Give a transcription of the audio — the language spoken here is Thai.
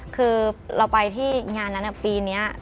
คือเราไปที่งานนั้นปีนี้